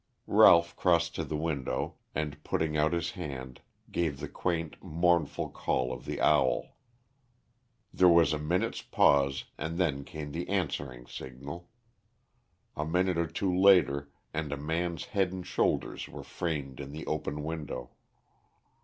Ralph crossed to the window and, putting out his hand, gave the quaint mournful call of the owl. There was a minute's pause and then came the answering signal. A minute or two later and a man's head and shoulders were framed in the open window.